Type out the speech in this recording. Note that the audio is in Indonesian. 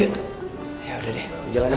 yaudah deh kita jalanin boy